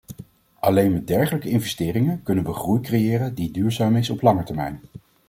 Alleen met dergelijke investeringen kunnen we groei creëren die duurzaam is op langere termijn.